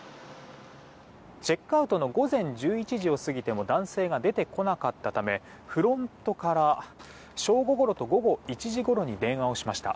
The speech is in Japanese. チェックアウトの午前１１時を過ぎても男性が出てこなかったためフロントから正午ごろと午後１時ごろに電話をしました。